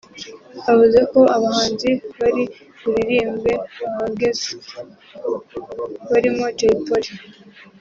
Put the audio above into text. avuze ko abahanzi bari buririmbe bahageze ; barimo Jay Polly